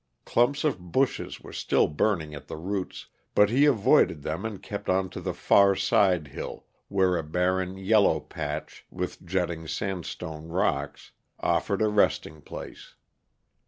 Clumps of bushes were still burning at the roots, but he avoided them and kept on to the far side hill, where a barren, yellow patch, with jutting sandstone rocks, offered a resting place.